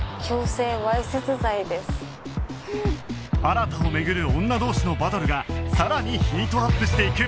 新を巡る女同士のバトルがさらにヒートアップしていく